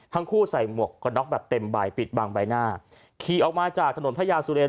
ทั้งคู่ใส่หมวกกระน็อกแบบเต็มใบปิดบางใบหน้าขี่ออกมาจากถนนพระยาสุเรน